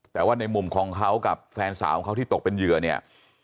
แต่ว่าในมุมของเขากับแฟนสาวของเขาที่ตกเป็นเหยื่อเนี่ย